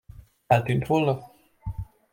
Eltűnt volna?